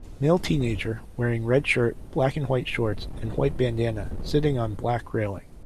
Male teenager wearing red shirt, black and white shorts and white bandanna sitting on black railing.